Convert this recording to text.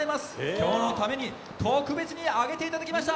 今日のために、特別に特別に上げていただきました。